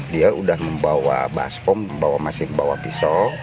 dia sudah membawa baspom masih membawa pisau